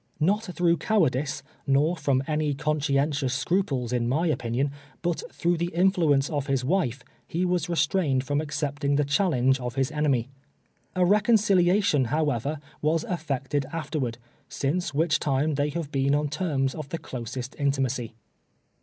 Xot through cowardice, nor from any conscientious scruples, in my opinion, but through the influence of his wife, he was restrained from accept ing the challenge of his enemy. A reconciliation, however, was efl'ected afterward, since which time they have been on terms of the closest intimacy.